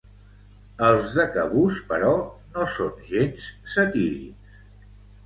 Els de Cabús, però, no són gens satírics.